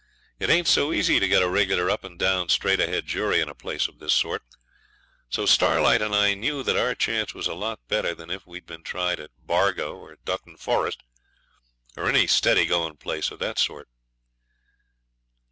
It ain't so easy to get a regular up and down straight ahead jury in a place of this sort. So Starlight and I knew that our chance was a lot better than if we'd been tried at Bargo or Dutton Forest, or any steady going places of that sort.